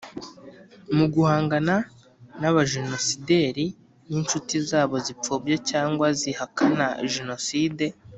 mu guhangana n abajenosideri n inshuti zabo zipfobya cyangwa zihakana Jenoside